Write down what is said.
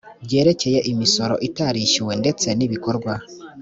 byerekeye imisoro itarishyuwe ndetse n ibikorwa